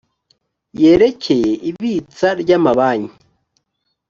yerekeye ibitsa ry amabanki